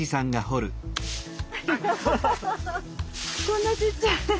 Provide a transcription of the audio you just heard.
こんなちっちゃい。